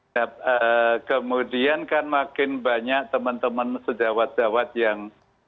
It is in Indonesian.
nah kemudian kan makin banyak teman teman sejawat gawat yang